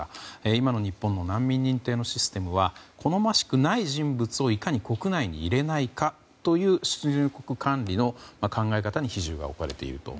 今の日本の難民認定のシステムは好ましくない人物をいかに国内に入れないかという出入国管理の考え方に比重が置かれていると。